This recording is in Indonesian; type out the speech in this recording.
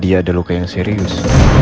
dia ada luka yang serius